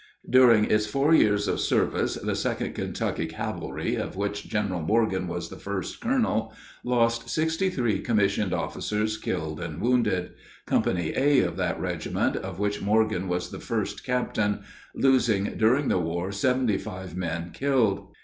During its four years of service the 2d Kentucky Cavalry, of which General Morgan was the first colonel, lost sixty three commissioned officers killed and wounded; Company A of that regiment, of which Morgan was the first captain, losing during the war seventy five men killed.